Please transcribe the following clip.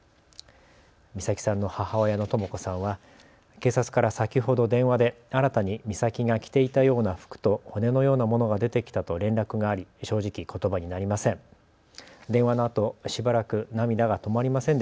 美咲さんの母親のとも子さんは警察から先ほど電話で新たに美咲が着ていたような服と骨のようなものが出てきたと連絡があり正直ことばになりません。